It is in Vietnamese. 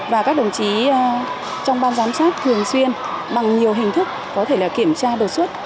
và các đồng chí trong ban giám sát thường xuyên bằng nhiều hình thức có thể kiểm tra đột xuất